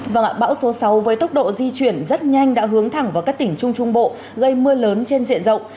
vâng ạ bão số sáu với tốc độ di chuyển rất nhanh đã hướng thẳng vào các tỉnh trung trung bộ dây mưa lớn trên diện rộng